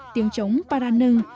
tiếng trống para nâng